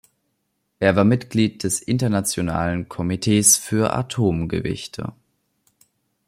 Er war Mitglied des Internationalen Komitees für Atomgewichte.